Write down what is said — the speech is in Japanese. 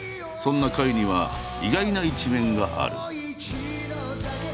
そんな甲斐には意外な一面がある。